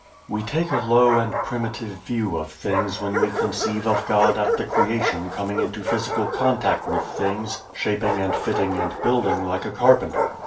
We take a low and primitive view of things when we conceive of God at the creation coming into physical contact with things, shaping and fitting and building like a carpenter.